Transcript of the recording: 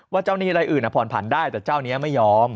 เจ้าหนี้อะไรอื่นผ่อนผันได้แต่เจ้านี้ไม่ยอม